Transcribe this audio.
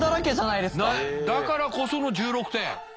だからこその１６点。